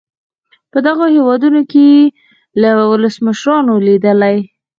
په دغو هېوادونو کې یې له ولسمشرانو لیدلي.